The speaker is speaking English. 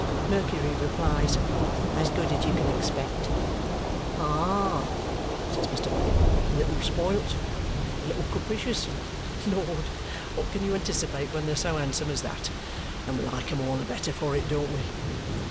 Mercury replies, "As good as you can expect." "Ah!" says Mr. Bucket. "A little spoilt? A little capricious? Lord! What can you anticipate when they're so handsome as that? And we like 'em all the better for it, don't we?"